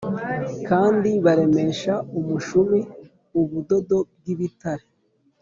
Kandi baremesha umushumi ubudodo bw ibitare